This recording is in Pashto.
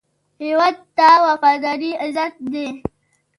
هېواد ته وفاداري غیرت دی